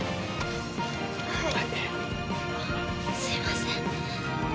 すいません。